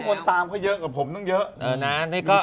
คนตามกับผมต้องเยอะ